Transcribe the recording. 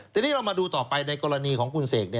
ทีนี้เรามาดูต่อไปในกรณีของคุณเสก